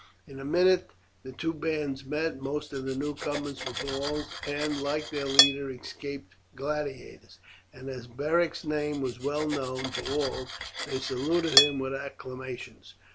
In a minute the two bands met. Most of the newcomers were Gauls, and, like their leader, escaped gladiators, and as Beric's name was well known to all they saluted him with acclamations.